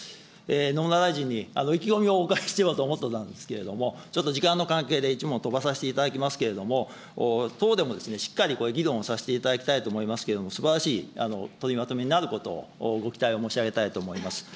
野村大臣に意気込みをお伺いしようかと思っていたんですけれども、ちょっと時間の関係で１問飛ばさせていただきますけれども、党でもしっかりこれ、議論をさせていただきたいと思いますけれども、すばらしい取りまとめになることをご期待を申し上げたいと思います。